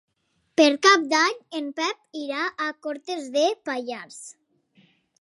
Per Cap d'Any en Pep irà a Cortes de Pallars.